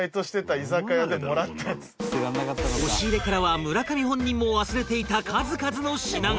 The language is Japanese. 押し入れからは村上本人も忘れていた数々の品が